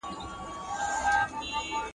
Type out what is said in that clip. چي هغه يې ور ته پرېږدي